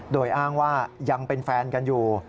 โดยอ้างว่ายังเป็นแฟนกันอยู่